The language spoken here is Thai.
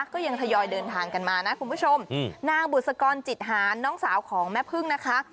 ก็ยังทยอยเดินทางกันมานะคุณผู้ชมนางบุษกรจิตหารน้องสาวของแม่พึ่งนะคะ